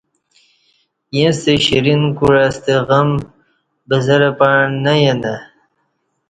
ییݩستہ شرین کوعہ ستہ غم بزرہ پݩع نہ یینہ